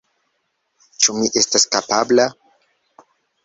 Ĉu mi estas kapabla?